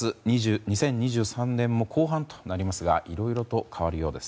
２０２３年も後半となりますがいろいろと変わるようです。